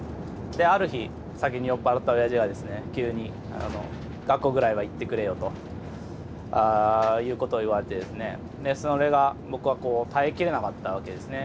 である日酒に酔っ払ったおやじがですね急に「学校ぐらいは行ってくれよ」ということを言われてですねそれが僕は耐えきれなかったわけですね。